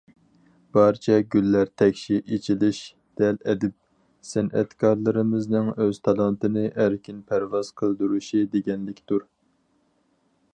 بارچە گۈللەر تەكشى ئېچىلىش دەل ئەدىب، سەنئەتكارلىرىمىزنىڭ ئۆز تالانتىنى ئەركىن پەرۋاز قىلدۇرۇشى دېگەنلىكتۇر.